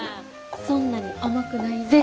そんなに甘くないぜ。